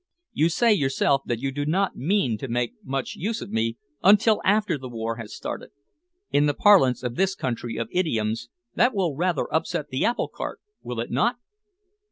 You say yourself that you do not mean to make much use of me until after the war has started. In the parlance of this country of idioms, that will rather upset the apple cart, will it not?"